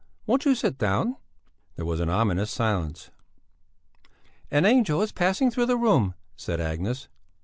Won't you sit down?" There was an ominous silence. "An angel is passing through the room," said Agnes.